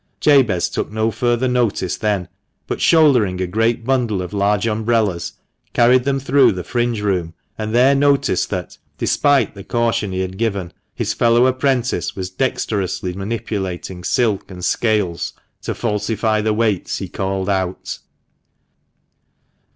Jabez took no further notice then, but shouldering a great bundle of large umbrellas, carried them through the fringe room, and there noticed that, despite the caution he had given, his fellow apprentice was dexteriously manipulating silk and scales to falsify the weights he called out.